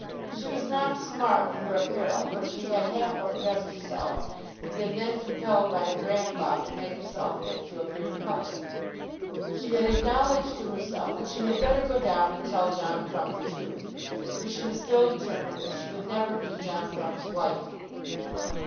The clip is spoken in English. She was not smart in her apparel, for she had half undressed herself, and been then compelled by her grandfather to make herself fit to appear in public. She had acknowledged to herself that she had better go down and tell John Crumb the truth. For she was still determined that she would never be John Crumb's wife.